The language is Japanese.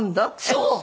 そう！